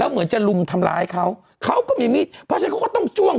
แล้วเหมือนจะลุงทำลายเขาเขาก็มีอย่างงี้เพราะฉะนั้นเขาก็ต้องจ้วง